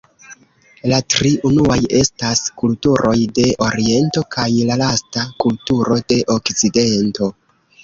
La tri unuaj estas kulturoj de Oriento kaj la lasta kulturo de Okcidento.